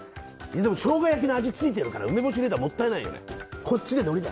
ショウガ焼きの味付いてるから梅干し入れたらもったいないよね。